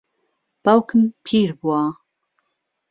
باوکم پیر بووە.